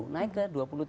naik ke dua puluh tiga